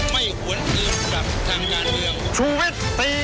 ไม่หวนอื่นกับทางงานเดียว